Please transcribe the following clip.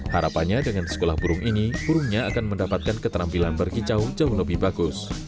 harapannya dengan sekolah burung ini burungnya akan mendapatkan keterampilan berkicau jauh lebih bagus